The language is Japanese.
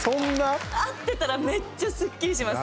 合ってたらめっちゃスッキリします。